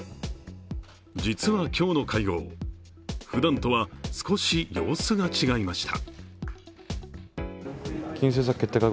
実は今日の会合、ふだんとは少し様子が違いました。